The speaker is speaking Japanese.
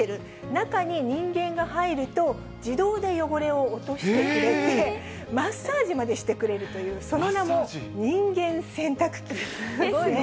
中に人間が入ると、自動で汚れを落としてくれて、マッサージまでしてくれるという、その名も人間洗濯機です。